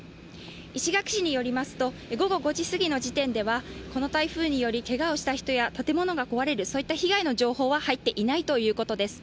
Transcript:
石垣市によりますと、午後５時すぎの時点ではこの台風によりけがをした人や、建物が壊れる、そういった被害の情報は、入っていないということです。